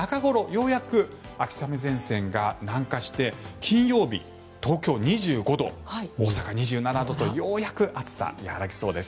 ようやく秋雨前線が南下して金曜日、東京２５度大阪、２７度とようやく暑さが和らぎそうです。